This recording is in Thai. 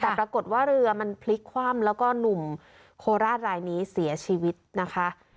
แต่ปรากฏว่าเรือมันพลิกคว่ำแล้วก็หนุ่มโคราชรายนี้เสียชีวิตนะคะ